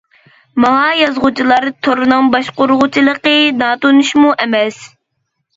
ماڭا يازغۇچىلار تورىنىڭ باشقۇرغۇچىلىقى ناتونۇشمۇ ئەمەس.